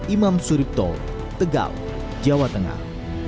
imam suripto tegal jawa tengah